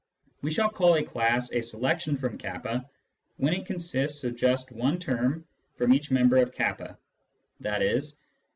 We shall call a class a " selection " from k when it con sists of just one term from each member of k ; i.e.